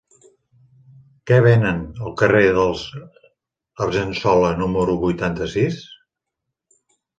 Què venen al carrer dels Argensola número vuitanta-sis?